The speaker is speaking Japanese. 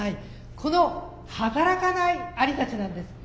この働かないアリたちなんです。